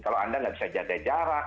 kalau anda nggak bisa jaga jarak